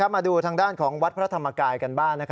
มาดูทางด้านของวัดพระธรรมกายกันบ้าง